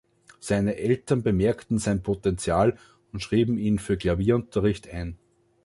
Seine Eltern bemerkten sein Potential und schrieben ihn für Klavierunterricht ein.